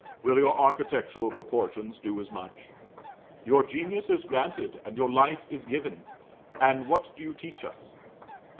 Will your architectural proportions do as much? Your genius is granted, and your life is given, and what do you teach us?